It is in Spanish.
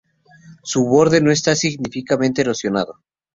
Su borde no está significativamente erosionado.